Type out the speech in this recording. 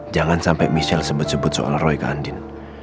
jangan sampai michelle sebut sebut soal roy ke andien